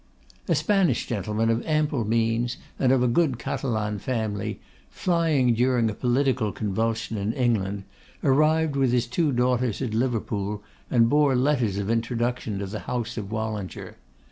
A Spanish gentleman of ample means, and of a good Catalan family, flying during a political convulsion to England, arrived with his two daughters at Liverpool, and bore letters of introduction to the house of Wallinger.